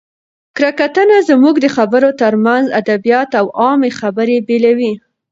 کره کتنه زموږ د خبرو ترمنځ ادبیات او عامي خبري بېلوي.